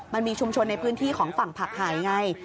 มันมีชุมชนในพื้นที่ของฝั่งผักหายไง